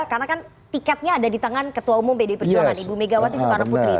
karena kan tiketnya ada di tangan ketua umum bdi perjuangan ibu megawati soekarno putri